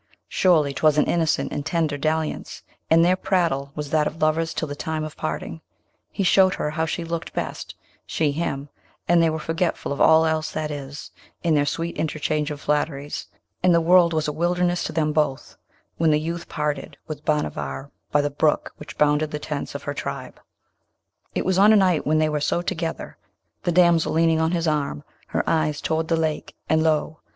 Surely 'twas an innocent and tender dalliance, and their prattle was that of lovers till the time of parting, he showing her how she looked best she him; and they were forgetful of all else that is, in their sweet interchange of flatteries; and the world was a wilderness to them both when the youth parted with Bhanavar by the brook which bounded the tents of her tribe. It was on a night when they were so together, the damsel leaning on his arm, her eyes toward the lake, and lo!